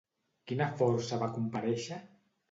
Quina força va comparèixer?